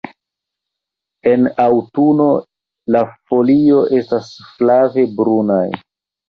En aŭtuno la folio estas flave brunaj.